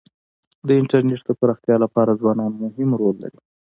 د انټرنېټ د پراختیا لپاره ځوانان مهم رول لري.